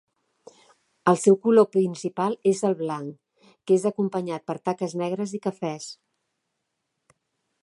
El seu color principal és el blanc, que és acompanyat per taques negres i cafès.